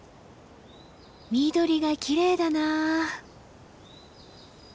緑がきれいだなあ。